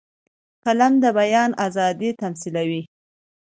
قلم د بیان آزادي تمثیلوي